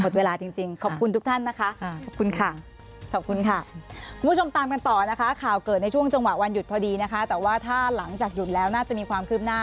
หมดเวลาจริงขอบคุณทุกท่านนะคะ